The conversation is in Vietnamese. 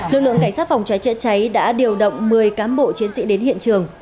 lực lượng cảnh sát phòng cháy chữa cháy đã điều động một mươi cám bộ chiến sĩ đến hiện trường